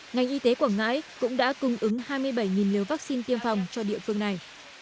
ngành y tế quảng ngãi cũng đã cung ứng hai mươi bảy liều vaccine tiêm phòng cho địa phương này